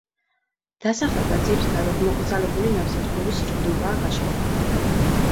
დასახლება ძირითადად მოკრძალებული ნავსადგურის ირგვლივაა გაშენებული.